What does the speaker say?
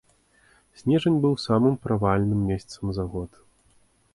Снежань стаў самым правальным месяцам за год.